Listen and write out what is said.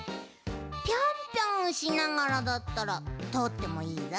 ぴょんぴょんしながらだったらとおってもいいぞ！